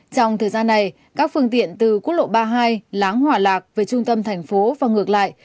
trong thời gian này các phương tiện từ quốc lộ ba mươi hai láng hòa lạc về trung tâm thành phố và ngược lại